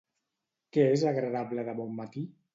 Què és agradable de bon matí?